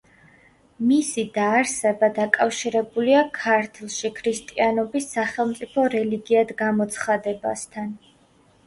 მისი დაარსება დაკავშირებულია ქართლში ქრისტიანობის სახელმწიფო რელიგიად გამოცხადებასთან.